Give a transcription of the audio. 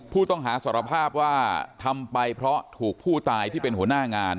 ผู้ต้องหาสารภาพว่าทำไปเพราะถูกผู้ตายที่เป็นหัวหน้างาน